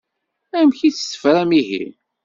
Amek i tt-tefram ihi?